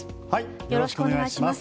よろしくお願いします。